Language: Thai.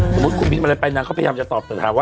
สมมุติคุณมิจมัยใดไปนางก็พยายามจะตอบ